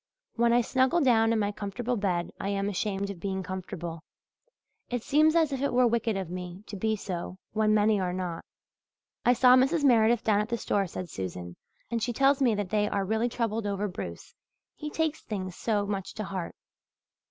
When I snuggle down in my comfortable bed I am ashamed of being comfortable. It seems as if it were wicked of me to be so when many are not." "I saw Mrs. Meredith down at the store," said Susan, "and she tells me that they are really troubled over Bruce, he takes things so much to heart.